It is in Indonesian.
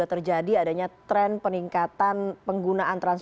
tren peningkatan ini